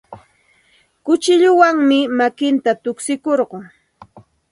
Kuchilluwanmi makinta tukshikurqun.